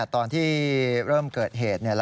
ตอนที่เริ่มเกิดเหตุ